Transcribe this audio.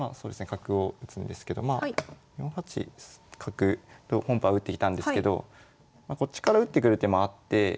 角を打つんですけど４八角と本譜は打ってきたんですけどこっちから打ってくる手もあって。